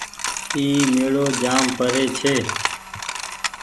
اي ميڙو جآم پري ڇي۔